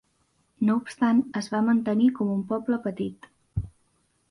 No obstant es va mantenir com un poble petit.